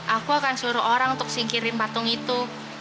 aku akan seluruh orang untuk singkirin patung itu